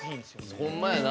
ほんまやな。